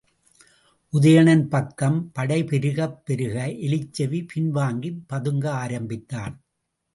உதயணன் பக்கம் படை பெருகப் பெருக எலிச்செவி, பின்வாங்கிப் பதுங்க ஆரம்பித்தான்.